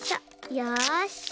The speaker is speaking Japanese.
よし。